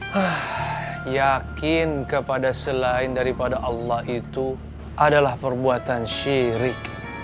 hah yakin kepada selain daripada allah itu adalah perbuatan syirik